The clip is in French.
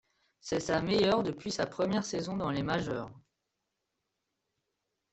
C'est sa meilleure depuis sa première saison dans les majeures.